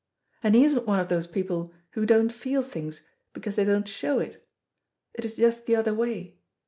And he isn't one of those people who don't feel things because they don't show it it is just the other way.